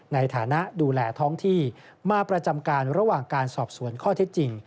ในฐานะดูแลท้องที่มาประจำการระหว่างการสอบสวนข้อเท็จจริง